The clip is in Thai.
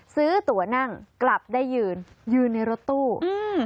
ซื้อตัวนั่งกลับได้ยืนยืนในรถตู้อืม